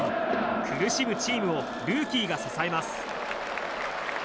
苦しむチームをルーキーが支えます。